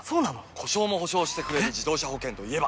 故障も補償してくれる自動車保険といえば？